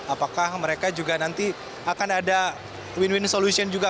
apakah mereka juga nanti akan ada win win solution juga